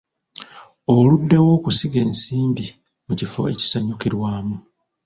Oluddewo okusiga ensimbi mu kifo ekisanyukirwamu.